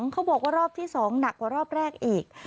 เขาบอกว่ารอบที่๒หนักกว่ารอบแรกอีก